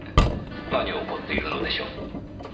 何を怒っているのでしょう？